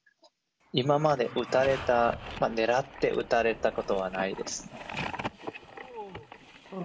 今まで撃たれた、狙って撃たれたことはないです。